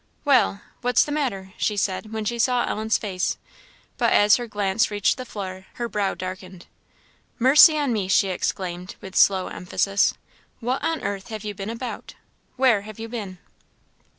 "Well what's the matter?" she said, when she saw Ellen's face; but as her glance reached the floor, her brow darkened. "Mercy on me!" she exclaimed, with slow emphasis; "what on earth have you been about? where have you been?"